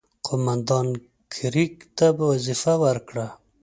قوماندان کرېګ ته وظیفه ورکړه.